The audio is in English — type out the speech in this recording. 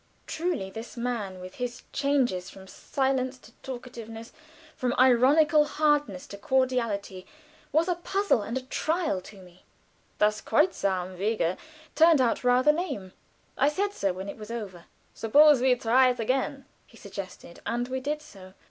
Truly this man, with his changes from silence to talkativeness, from ironical hardness to cordiality, was a puzzle and a trial to me. "Das Kreuz am Wege" turned out rather lame. I said so when it was over. "Suppose we try it again," he suggested, and we did so.